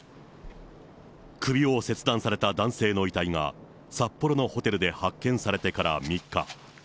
首を切断された男性の遺体が、札幌のホテルで発見されてから３日。